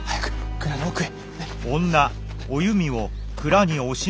蔵の奥へ！